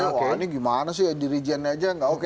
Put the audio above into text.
wah ini gimana sih dirijennya aja gak oke